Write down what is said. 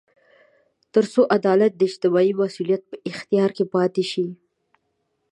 تر څو عدالت د اجتماعي مسوولیت په اختیار کې پاتې شي.